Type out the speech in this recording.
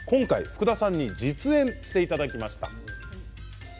今回、福田さんに実演していただきました。